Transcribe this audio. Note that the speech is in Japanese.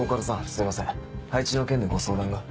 すいません配置の件でご相談が。